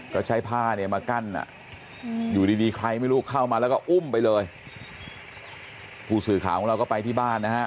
ก็ใช้ผ้าเนี่ยมากั้นอ่ะอยู่ดีดีใครไม่รู้เข้ามาแล้วก็อุ้มไปเลยผู้สื่อข่าวของเราก็ไปที่บ้านนะฮะ